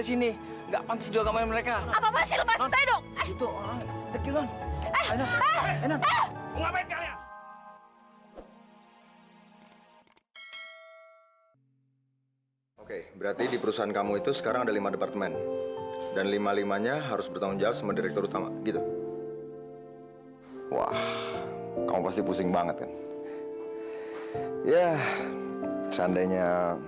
sampai jumpa di video selanjutnya